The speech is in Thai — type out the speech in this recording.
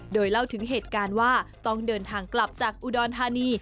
โดยเล่าถึงเหตุการณ์ว่าต้องเดินทางกลับจากอุดรธานี